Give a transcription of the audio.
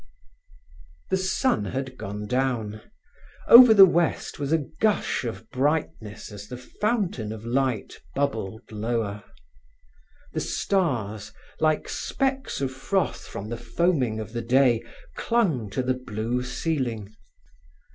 The sun had gone down. Over the west was a gush of brightness as the fountain of light bubbled lower. The stars, like specks of froth from the foaming of the day, clung to the blue ceiling.